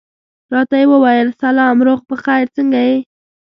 راته یې وویل سلام، روغ په خیر، څنګه یې؟